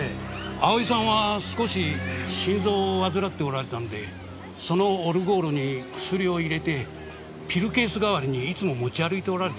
葵さんは少し心臓を患っておられたのでそのオルゴールに薬を入れてピルケース代わりにいつも持ち歩いておられたんです。